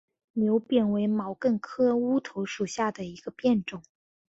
牛扁为毛茛科乌头属下的一个变种。